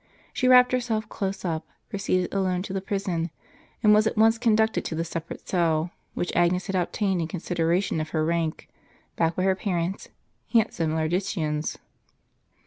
She wrapped herself close up, proceeded alone to the prison, and was at once conducted to the separate cell, which Agnes had obtained in consideration of her rank, backed by her parents' handsome largitions.